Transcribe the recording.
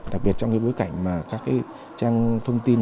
đặc biệt trong bối cảnh các trang thông tin